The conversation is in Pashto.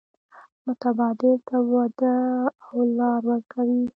متبادل ته وده او لار ورکوي.